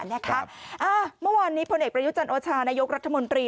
เมื่อวันนี้พนเอกประยุทธ์จันทำโบชาในยกรัฐมนตรี